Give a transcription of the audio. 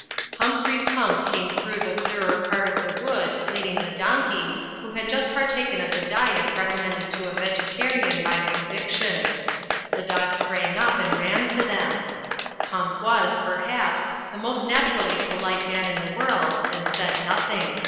Humphrey Pump came through the clearer part of the wood, leading the donkey, who had just partaken of the diet recommended to a vegetarian by conviction ; Digitized by CjOOQ IC THE BATTLE OF THE TUNNEL 155 the dog sprang up and ran to them. Pump was, per haps, the most naturally polite man in the world, and said nothing.